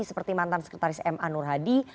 seperti mantan sekretaris ma nur hadi